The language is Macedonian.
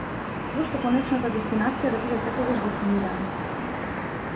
Зошто конечната дестинација да биде секогаш дефинирана?